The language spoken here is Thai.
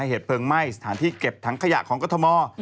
เหตุเพลิงไหม้สถานที่เก็บถังขยะของกรทม